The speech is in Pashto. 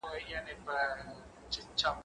زه پرون د کتابتوننۍ سره خبري وکړې!؟